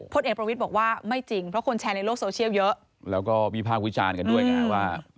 เอกประวิทย์บอกว่าไม่จริงเพราะคนแชร์ในโลกโซเชียลเยอะแล้วก็วิพากษ์วิจารณ์กันด้วยไงว่า